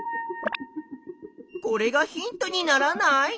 これがヒントにならない？